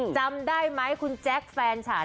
จำได้ไหมคุณแจ๊คแฟนฉัน